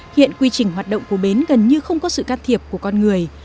hiện quy trình hoạt động của bến gần như không có sự can thiệp của con người